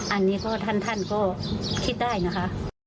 อันนี้ก็ท่านก็คิดได้นะคะ